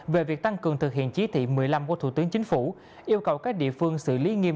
về việc tăng cường thực hiện chỉ thị một mươi năm của thủ tướng chính phủ yêu cầu các địa phương xử lý nghiêm